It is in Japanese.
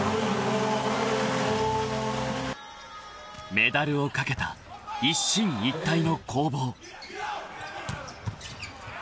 ［メダルを懸けた一進一退の攻防］